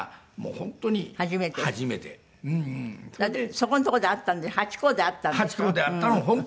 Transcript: そこのとこで会ったんでハチ公で会ったんでしょ？